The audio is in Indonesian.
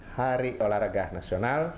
hari olahraga nasional